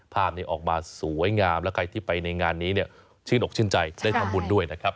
ภาพนี้ออกมาสวยงามและใครที่ไปในงานนี้เนี่ยชื่นอกชื่นใจได้ทำบุญด้วยนะครับ